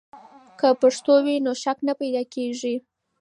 که پښتو وي، نو شک نه پیدا کیږي.